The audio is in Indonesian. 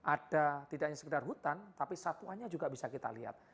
ada tidak hanya sekedar hutan tapi satuannya juga bisa kita lihat